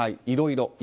いろいろ